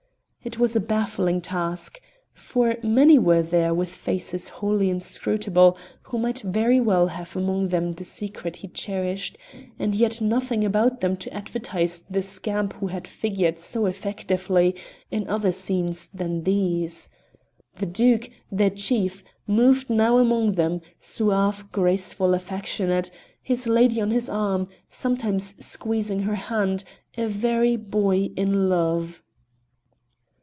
It was a baffling task. For many were there with faces wholly inscrutable who might very well have among them the secret he cherished, and yet nothing about them to advertise the scamp who had figured so effectively in other scenes than these. The Duke, their chief, moved now among them suave, graceful, affectionate, his lady on his arm, sometimes squeezing her hand, a very boy in love!